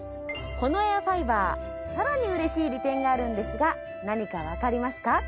このエアファイバー更に嬉しい利点があるんですが何か分かりますか？